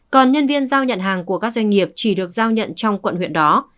còn nhân viên giao nhận hàng của các doanh nghiệp chỉ được giao nhận trong quận huyện đó